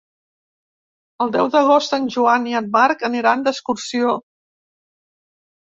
El deu d'agost en Joan i en Marc aniran d'excursió.